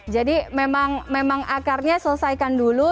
jadi memang akarnya selesaikan dulu